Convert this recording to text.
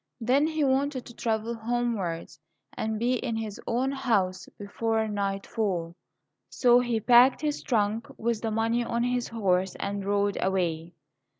Then he wanted to travel homewards, and be in his own house before nightfall. So he packed his trunk with the money on his horse, and rode away.